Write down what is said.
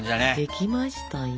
できましたよ。